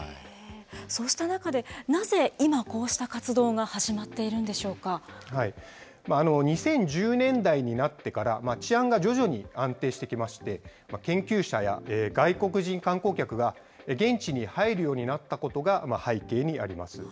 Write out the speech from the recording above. そうした中で、なぜ今、こうした活動が始まっているんでしょ２０１０年代になってから、治安が徐々に安定してきまして、研究者や外国人観光客が、現地に入るようになったことが背景にあります。